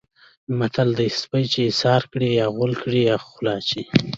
متل دی: سپی چې ایسار کړې یا غول کړي یا خوله اچوي.